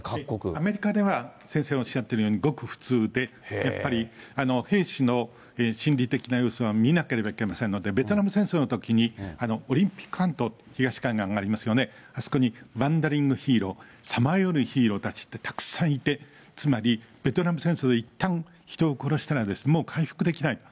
アメリカでは先生おっしゃっているようにごく普通で、やっぱり兵士の心理的な様子は見なければいけませんので、ベトナム戦争のときにオリンピックといって、東海岸がありますよね、あそこにワンダリングヒーロー、さまようヒーローたちってたくさんいて、つまりベトナム戦争でいったん人を殺したらもう回復できない。